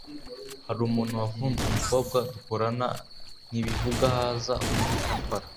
hari umuntu wakunze umukobwa dukorana ntibivuga haza undi aramutwara